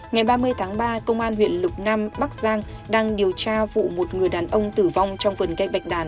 ngày ba mươi tháng ba công an huyện lục nam bắc giang đang điều tra vụ một người đàn ông tử vong trong vườn cây bạch đàn